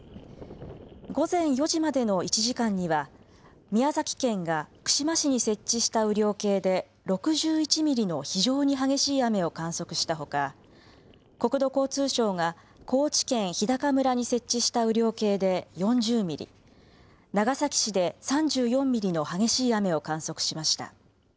午前４時までの１時間には宮崎県が串間市に設置した雨量計で６１ミリの非常に激しい雨を観測したほか、国土交通省が高知県日高村に設置した雨量計で４０ミリ、長崎市で３４ミリの激しい雨を観測しました。